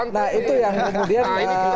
nah itu yang kemudian